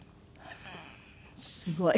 すごい！